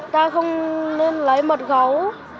ta không nên lấy mật gấu